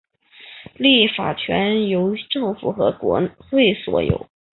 立法权由政府和国会所有。